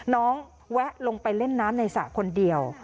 แวะลงไปเล่นน้ำในสระคนเดียว